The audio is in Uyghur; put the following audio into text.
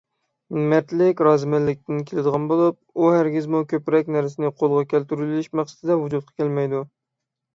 مەردلىك رازىمەنلىكتىن كېلىدىغان بولۇپ، ئۇ ھەرگىزمۇ كۆپرەك نەرسىنى قولغا كەلتۈرۈۋېلىش مەقسىتىدە ۋۇجۇدقا كەلمەيدۇ.